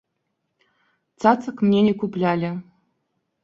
Цацак мне не куплялі.